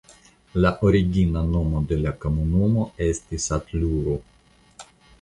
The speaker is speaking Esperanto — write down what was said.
La origina nomo de la komunumo estis Atluru.